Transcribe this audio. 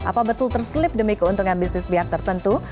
apa betul terselip demi keuntungan bisnis pihak tertentu